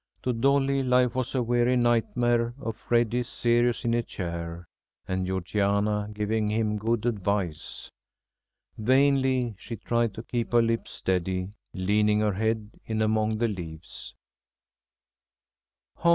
To Dolly life was a weary nightmare of Freddy serious in a chair, and Georgiana giving him good advice. Vainly she tried to keep her lip steady, leaning her head in among the leaves.